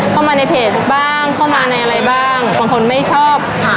เข้ามาในเพจบ้างเข้ามาในอะไรบ้างบางคนไม่ชอบค่ะ